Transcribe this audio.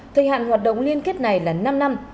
thời hạn hoạt động liên kết này là năm năm